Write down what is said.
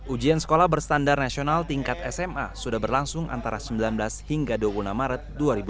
ujian sekolah berstandar nasional tingkat sma sudah berlangsung antara sembilan belas hingga dua puluh enam maret dua ribu dua puluh